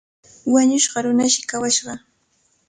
Wañushqa runashi kawashqa.